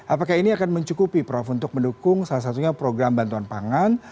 apakah ini akan mencukupi prof untuk mendukung salah satunya program bantuan pangan